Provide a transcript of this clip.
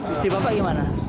istri bapak gimana